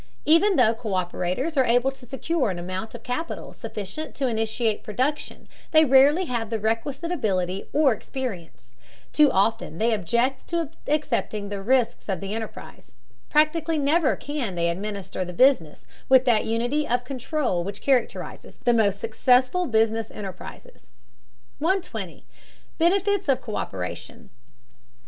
Even though co÷perators are able to secure an amount of capital sufficient to initiate production, they rarely have the requisite ability or experience; too often they object to accepting the risks of the enterprise; practically never can they administer the business with that unity of control which characterizes the most successful business enterprises. 120. BENEFITS OF COÍPERATION.